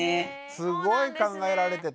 すごい考えられてて。